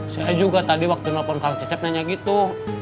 saya juga tadi waktu nelpon kang cecep nanya gitu